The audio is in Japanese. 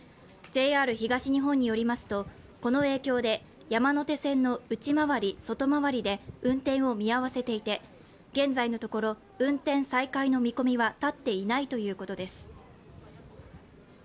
ＪＲ東日本によりますと、この影響で山手線の内回り、外回りで運転を見合わせていて現在のところ、運転再開の見込みは立っていないということです。